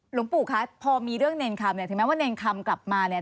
หลวงปู่คะพอมีเรื่องเนรคำเนี่ยถึงแม้ว่าเนรคำกลับมาเนี่ย